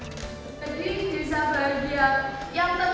kediri desa bahagia yang terterang aman dan damai